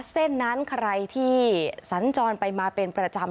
เส้นนั้นใครที่สัญจรไปมาเป็นประจำ